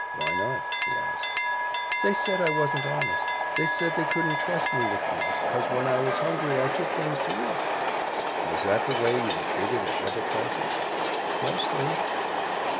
"Why not?" he asked. "They said I wasn't honest; they said they couldn't trust me with things, 'cause when I was hungry I took things to eat." "Was that the way you were treated at other places?" "Mostly."